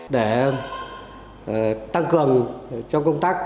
để tăng cường trong công tác